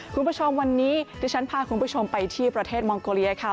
คุณผู้ชมวันนี้ดิฉันพาคุณผู้ชมไปที่ประเทศมองโกเลียค่ะ